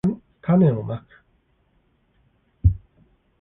たねをまく